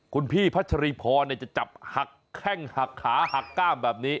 คุณพี่พัชรีพรจะจับหักแข้งหักขาหักก้ามแบบนี้